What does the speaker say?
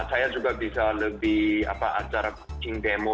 saya juga bisa lebih apa acara cooking demo